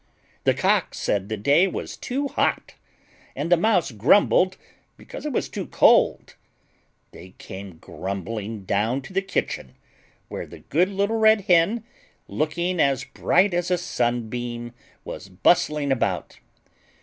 The Cock said the day was too hot, and the Mouse grumbled because it was too cold. They came grumbling down to the kitchen, where the good little Red Hen, looking as bright as a sunbeam, was bustling about.